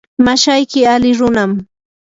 mashayki ali runam.